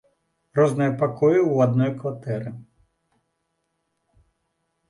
Розныя пакоі ў адной кватэры.